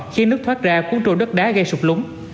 khiến nước thoát ra cuốn trôi đất đá gây sụp lúng